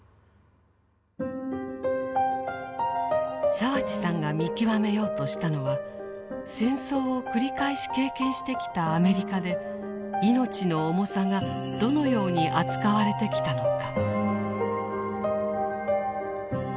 澤地さんが見極めようとしたのは戦争を繰り返し経験してきたアメリカで命の重さがどのように扱われてきたのか。